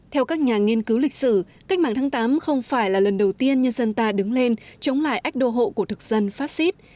theo các nhà nghiên cứu lịch sử cách mạng tháng tám không phải là lần đầu tiên nhân dân ta đứng lên chống lại ách đô hộ của thực dân phát xít